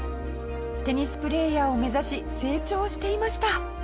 テニスプレーヤーを目指し成長していました。